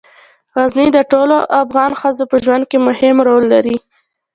غزني د ټولو افغان ښځو په ژوند کې مهم رول لري.